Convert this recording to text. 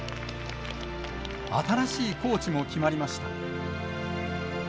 新しいコーチも決まりました。